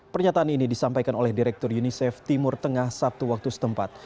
pernyataan ini disampaikan oleh direktur unicef timur tengah sabtu waktu setempat